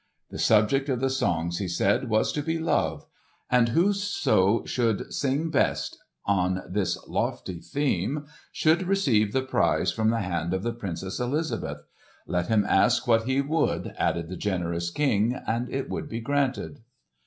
The subject of the songs, he said, was to be "Love"; and whoso should sing best on this lofty theme should receive the prize from the hand of the Princess Elizabeth. Let him ask what he would added the generous King, and it should be granted.